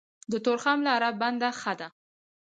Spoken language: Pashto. د تورخم لاره بنده ښه ده.